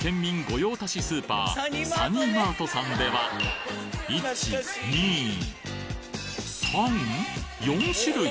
御用達スーパーサニーマートさんでは１２３４種類